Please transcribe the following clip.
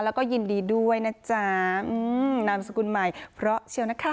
แล้วก็ยินดีด้วยนะจ๊ะนามสกุลใหม่เพราะเชียวนะคะ